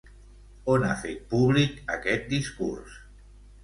On ha fet públic aquest discurs?